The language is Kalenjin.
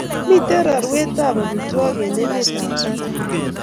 Miten raruen ab amitwokik en emet ab katam